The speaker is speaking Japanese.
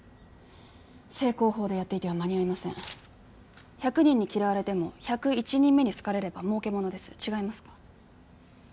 正攻法でやっていては間に合いません１００人に嫌われても１０１人目に好かれれば儲けものです違いますか？